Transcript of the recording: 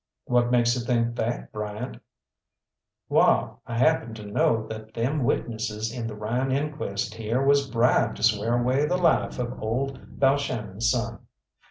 "What makes you think that, Bryant?" "Wall, I happen to know that them witnesses in the Ryan inquest here was bribed to swear away the life of old Balshannon's son.